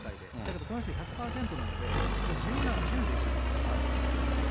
どこの人、１００％なので、もう自由にできるんですね。